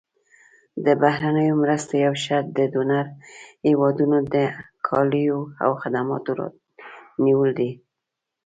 د بهرنیو مرستو یو شرط د ډونر هېوادونو د کالیو او خدماتو رانیول دي.